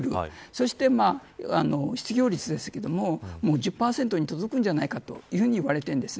そして失業率ですけれども１０％に届くんじゃないかと言われているんです。